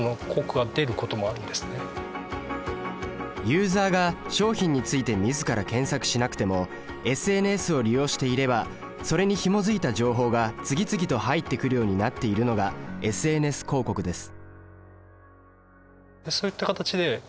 ユーザが商品について自ら検索しなくてもＳＮＳを利用していればそれにひもづいた情報が次々と入ってくるようになっているのがＳＮＳ広告です。